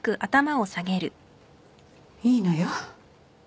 いいのよ。